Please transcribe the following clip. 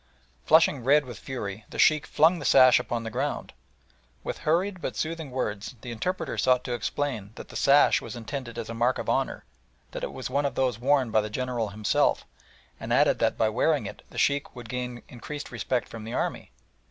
Flushing red with fury, the Sheikh flung the sash upon the ground. With hurried but soothing words the interpreter sought to explain that the sash was intended as a mark of honour that it was one of those worn by the General himself and added that by wearing it the Sheikh would gain increased respect from the army.